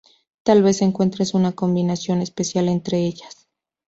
Tal vez encuentres una combinación especial entre ellas.